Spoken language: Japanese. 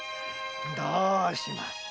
どうします？